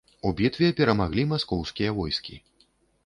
У бітве перамаглі маскоўскія войскі.